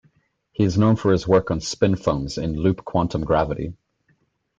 He is known for his work on spin foams in loop quantum gravity.